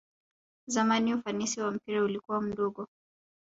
zamani ufanisi wa mpira ulikua mdogo